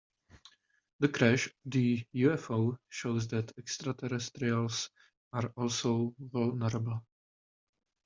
The crash of the UFO shows that extraterrestrials are also vulnerable.